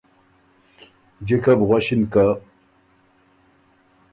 جکه بو غؤݭِن که